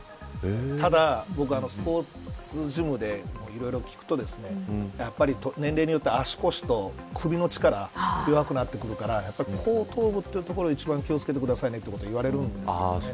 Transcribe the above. ただ、僕スポーツジムでいろいろ聞くとですねやっぱり年齢によって足腰と首の力弱くなってくるから後頭部を一番気をつけてくださいと言われるんですよね。